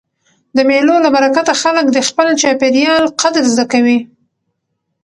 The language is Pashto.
د مېلو له برکته خلک د خپل چاپېریال قدر زده کوي.